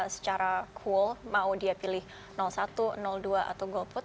secara cool mau dia pilih satu dua atau golput